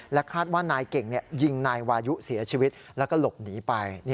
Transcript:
คาดว่านายเก่งยิงนายวายุเสียชีวิตแล้วก็หลบหนีไป